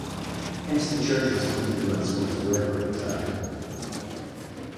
Hence the church was free to run schools wherever it desired.